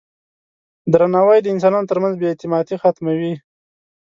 درناوی د انسانانو ترمنځ بې اعتمادي ختموي.